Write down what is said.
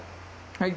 はい。